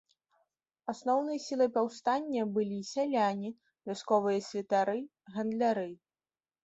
Асноўнай сілай паўстання былі сяляне, вясковыя святары, гандляры.